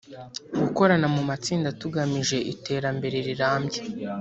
gukorana mu matsinda tugamije iterambere rirambye